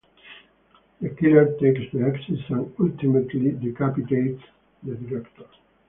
The killer takes the axe and ultimately decapitates the director.